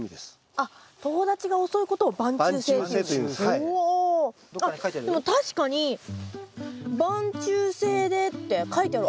あっでも確かに「晩抽性で」って書いてある。